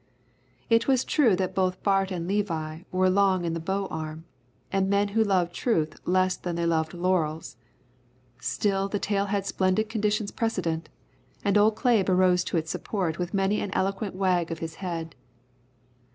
It was true that both Bart and Levi were long in the bow arm, and men who loved truth less than they loved laurels. Still the tale had splendid conditions precedent, and old Clabe arose to its support with many an eloquent wag of his head.